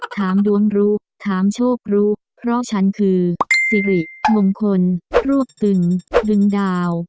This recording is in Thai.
ถามดวงรู้ถามโชครู้เพราะฉันคือสิริมงคลรวบตึงดึงดาว